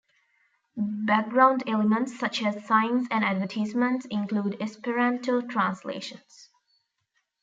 Background elements such as signs and advertisements include Esperanto translations.